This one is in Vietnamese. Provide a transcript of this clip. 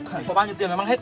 mày kêu tao đâm chết